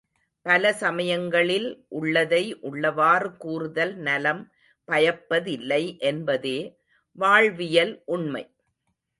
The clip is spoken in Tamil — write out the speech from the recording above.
பல சமயங்களில் உள்ளதை உள்ளவாறு கூறுதல் நலம் பயப்பதில்லை என்பதே வாழ்வியல் உண்மை.